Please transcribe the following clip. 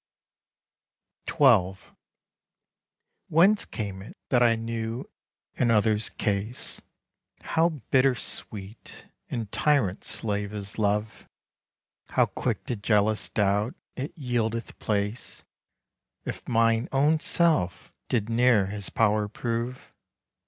XII Whence came it that I knew in others' case How bitter sweet and tyrant slave is love, How quick to jealous doubt it yieldeth place, If mine own self did ne'er his power prove?